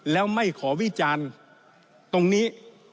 แล้วไม่ขอวิจารณ์ตรงนี้